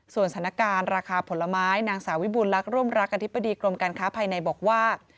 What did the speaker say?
สถานการณ์ราคาผลไม้นางสาววิบูลักษ์ร่วมรักอธิบดีกรมการค้าภายในบอกว่า